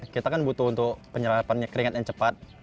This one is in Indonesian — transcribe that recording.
kita kan butuh untuk penyerapannya keringat yang cepat